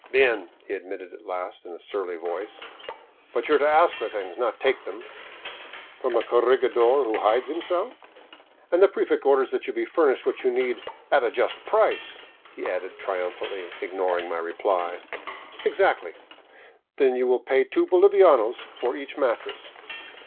" Bien," he admitted at last, in a surly voice, " but you are to ask for things, not take them." From a corregidor who hides himself ?"" And the prefect orders that you be furnished what you need at a just price," he added triumphantly, ignoring my reply. " Exactly." " Then you will pay two bolivianos for each mattress."